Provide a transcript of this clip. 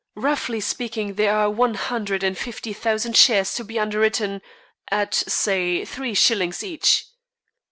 Roughly speaking, there are one hundred and fifty thousand shares to be underwritten at, say, three shillings each."